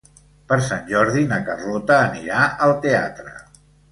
Per Sant Jordi na Carlota anirà al teatre.